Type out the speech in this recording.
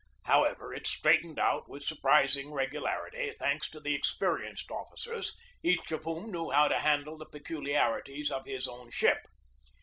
How ever, it straightened out with surprising regularity, thanks to the experienced officers, each of whom knew how to handle the peculiarities of his own ship.